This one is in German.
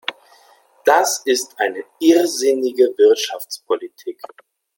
Das ist eine irrsinnige Wirtschaftspolitik.